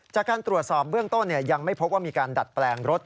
จากการตรวจสอบเบื้องต้นยังไม่พบว่ามีการดัดแปลงรถ